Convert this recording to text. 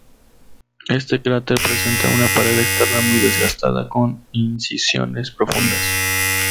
Este cráter presenta una pared externa muy desgastada, con incisiones profundas.